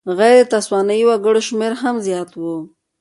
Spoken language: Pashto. غیر تسوانایي وګړو شمېر هم زیات و.